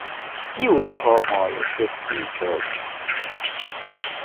Tiuj homoj decidos.